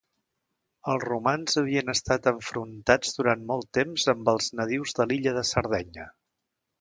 Els romans havien estat enfrontats durant molt temps amb els nadius de l'illa de Sardenya.